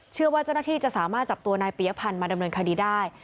เชื่อว่าเจ้าหน้าที่จะสามารถจับตัวนายปียพันธ์มาดำเนินคดีได้